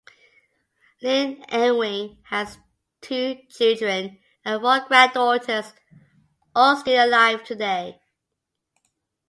Lynne Ewing has two children and four granddaughters, all still alive today.